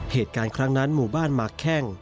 เหตุการณ์ครั้งนั้นหมู่บ้านหมากแข้ง